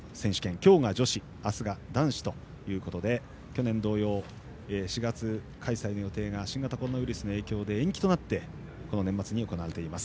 今日が女子あすが男子ということで去年同様４月開催の予定が新型コロナウイルスの影響で延期となってこの年末に行われています。